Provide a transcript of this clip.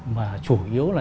mà chủ yếu là